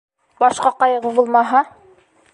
- Башҡа ҡайғың бумаһа...